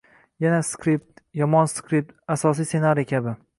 Yaxshi skript, yomon skript, asosiy ssenariy kabi